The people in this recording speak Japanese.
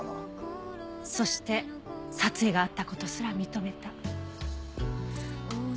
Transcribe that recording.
そして殺意があった事すら認めた。